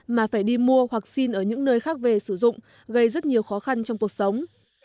mà phải đi mua hoặc xin ở những nơi khác về sử dụng gây rất nhiều khó khăn trong cuộc sống